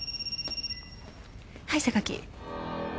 はい榊。